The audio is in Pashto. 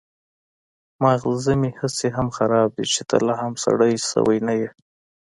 ماغزه مې هسې هم خراب دي چې ته لا هم سړی شوی نه يې.